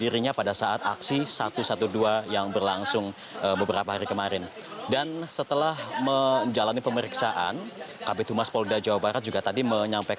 rizik shihab berkata